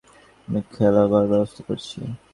আমি খোলাবার ব্যবস্থা করছি।